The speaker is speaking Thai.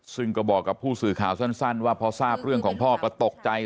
ซึ่งก็บอกกับผู้สื่อข่าวสั้นว่าพอทราบเรื่องของพ่อก็ตกใจ